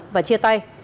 và chia tay